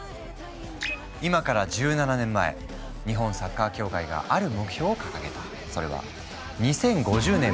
今から１７年前日本サッカー協会がある目標を掲げた。